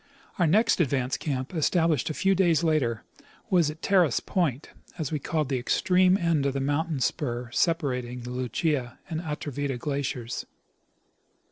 105 Our next advance camp, established a few days later, was at Terrace point, as' we called the extreme end of the mountain spur separating the Lucia and Atrevida glaciers.